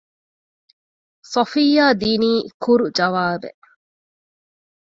ޞަފިއްޔާ ދިނީ ކުރު ޖަވާބެއް